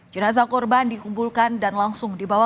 jenazah korban dikumpulkan dan langsung dibawa